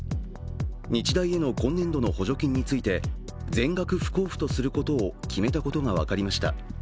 日大への今年度の補助金について全額不交付とすることを決めたことが分かりました。